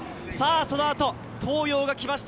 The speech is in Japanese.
そのあと東洋が来ました。